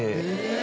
え！